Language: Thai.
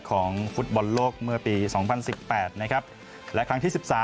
ของฟุตบอลโลกเมื่อปี๒๐๑๘แล้วครั้งที่๑๓